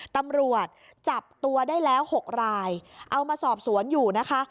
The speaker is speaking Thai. ตำรวจจับตัวได้แล้ว๖รายเอามาสอบสวนอยู่นะคะ